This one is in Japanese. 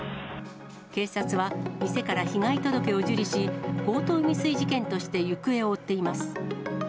警察は、店から被害届を受理し、強盗未遂事件として行方を追っています。